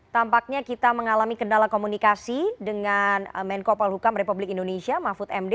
tampaknya kita mengalami kendala komunikasi dengan menko polhukam republik indonesia mahfud md